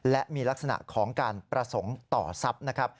และมีลักษณะของการประสงค์ต่อทรัพย์นะครับ